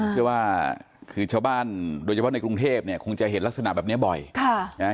ผมคิดว่าคือชาวบ้านโดยเฉพาะในกรุงเทพฯคงจะเห็นลักษณะแบบนี้บ่อย